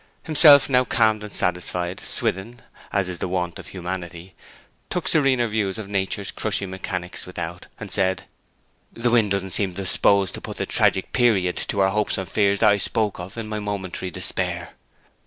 Himself now calmed and satisfied, Swithin, as is the wont of humanity, took serener views of Nature's crushing mechanics without, and said, 'The wind doesn't seem disposed to put the tragic period to our hopes and fears that I spoke of in my momentary despair.'